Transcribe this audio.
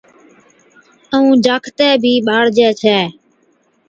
ائُون جاکَتي بِي ٻاڙجي ڇَي